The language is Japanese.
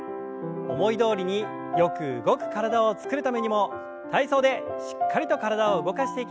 思いどおりによく動く体を作るためにも体操でしっかりと体を動かしていきましょう。